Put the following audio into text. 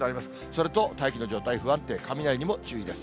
それと大気の状態不安定、雷にも注意です。